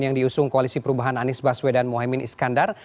yang diusung koalisi perubahan anies baswedan mohaimin iskandar